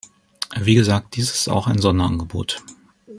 Wie gesagt, dies ist auch ein Sonderangebot.